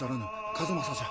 数正じゃ。